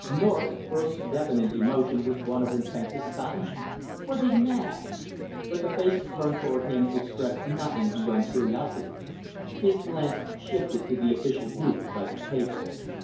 North's first definite emotion was one of intense astonishment. Were they mad? But the faces turned toward him expressed nothing beyond curiosity. His glance shifted to the official group by the table.